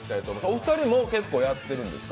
お二人もやってるんですか？